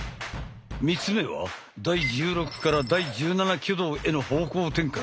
３つ目は第１６から第１７挙動への方向転換。